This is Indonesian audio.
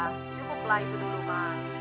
cukup lah itu dulu ma